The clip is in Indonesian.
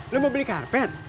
lo mau beli karpet